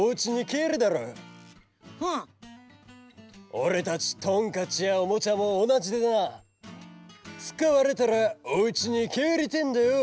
・おれたちトンカチやおもちゃもおなじでなつかわれたらおうちにけえりてえんだよ！